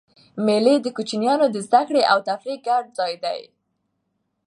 مېلې د کوچنيانو د زدهکړي او تفریح ګډ ځای دئ.